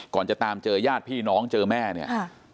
ก่อนจะตามเจอยาดพี่น้องเจอแม่เนี่ย